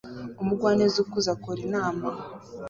Umugwaneza ukuze akora inama